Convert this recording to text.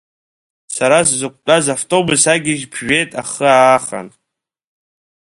Сара сзықәтәаз автобус агьежь ԥжәеит ахы аахан.